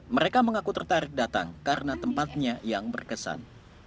mereka mengaku tertarik datang karena tempatnya yang berkesan